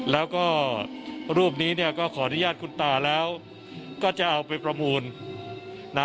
แล้วก็รูปนี้เนี่ยก็ขออนุญาตคุณตาแล้วก็จะเอาไปประมูลนะ